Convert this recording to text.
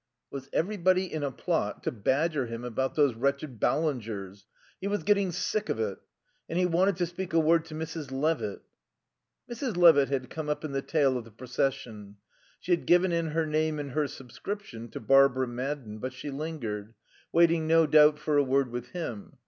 Was everybody in a plot to badger him about those wretched Ballingers? He was getting sick of it. And he wanted to speak a word to Mrs. Levitt. Mrs. Levitt had come up in the tail of the procession. She had given in her name and her subscription to Barbara Madden; but she lingered, waiting no doubt for a word with him.